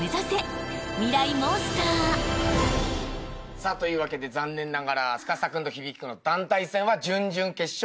さあというわけで残念ながら司君と響君の団体戦は準々決勝敗退。